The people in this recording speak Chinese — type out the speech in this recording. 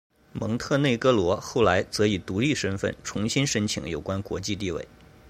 蒙特内哥罗后来则以独立身份重新申请有关国际地位。